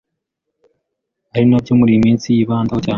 ari na byo muri iyi minsi yibandaho cyane.